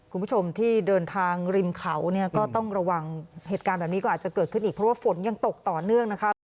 คุณผู้ชมที่เดินทางริมเขาเนี่ยก็ต้องระวังเหตุการณ์แบบนี้ก็อาจจะเกิดขึ้นอีกเพราะว่าฝนยังตกต่อเนื่องนะคะ